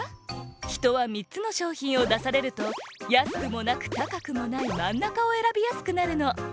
ひとは３つのしょうひんをだされるとやすくもなく高くもないまんなかをえらびやすくなるの。